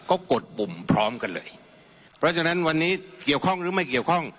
ก็กดปุ่มพร้อมกันเลยเพราะฉะนั้นวันนี้เกี่ยวข้องหรือไม่เกี่ยวข้อง